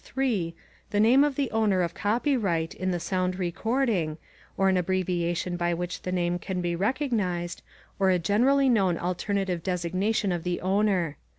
*The name of the owner of copyright* in the sound recording, or an abbreviation by which the name can be recognized, or a generally known alternative designation of the owner.